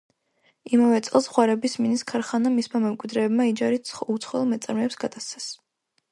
იმავე წელს ღვარების მინის ქარხანა მისმა მემკვიდრეებმა იჯარით უცხოელ მეწარმეებს გადასცეს.